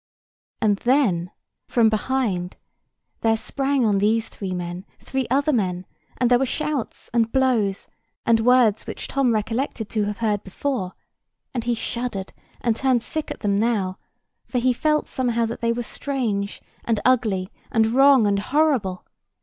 And then, from behind, there sprang on these three men three other men; and there were shouts, and blows, and words which Tom recollected to have heard before; and he shuddered and turned sick at them now, for he felt somehow that they were strange, and ugly, and wrong, and horrible.